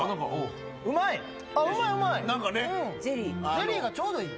ゼリーがちょうどいい。